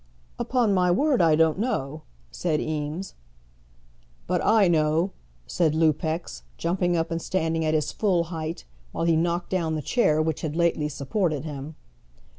"Upon my word I don't know," said Eames. "But I know," said Lupex, jumping up and standing at his full height, while he knocked down the chair which had lately supported him.